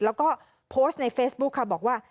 แล้วก็โพสต์ในเฟซบุ๊คค่ะบอกว่า